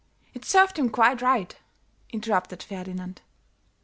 "It served him quite right," interrupted Ferdinand.